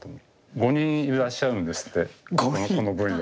５人いらっしゃるんですってこの分野。